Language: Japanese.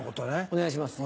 お願いします。